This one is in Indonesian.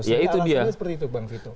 jadi alasannya seperti itu bang vito